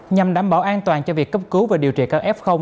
nhằm đảm bảo an toàn cho việc cấp cứu và điều trị cao f